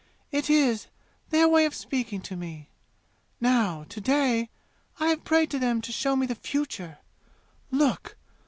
"It is, their way of speaking to me. Now, to day, I have prayed to them to show me the future. Look!